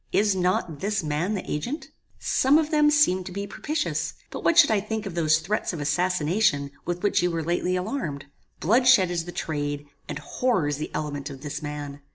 Is not this man the agent? Some of them seem to be propitious; but what should I think of those threats of assassination with which you were lately alarmed? Bloodshed is the trade, and horror is the element of this man.